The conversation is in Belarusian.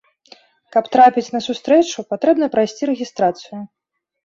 Каб трапіць на сустрэчу, патрэбна прайсці рэгістрацыю.